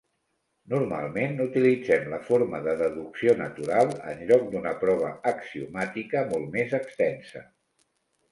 Normalment utilitzem la forma de deducció natural en lloc d'una prova axiomàtica molt més extensa.